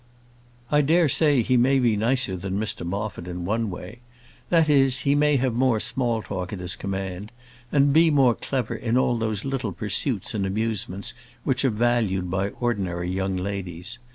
I dare say he may be nicer than Mr Moffat, in one way. That is, he may have more small talk at his command, and be more clever in all those little pursuits and amusements which are valued by ordinary young ladies.